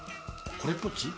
これっぽっち？